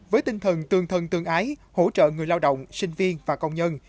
với tinh thần tương thân tương ái hỗ trợ người lao động sinh viên và công nhân